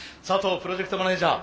プロジェクトマネージャー